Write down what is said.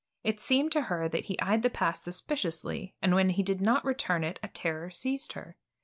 It seemed to her that he eyed the pass suspiciously and when he did not return it a terror seized her.